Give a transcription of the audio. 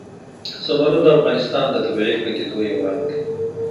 زمرد د افغانستان د طبیعي پدیدو یو رنګ دی.